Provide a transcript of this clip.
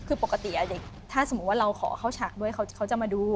คือปกติเด็กถ้าสมมุติว่าเราขอเข้าฉากด้วยเขาจะมาดู